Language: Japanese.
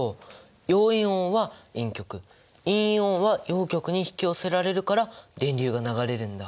陽イオンは陰極陰イオンは陽極に引き寄せられるから電流が流れるんだ。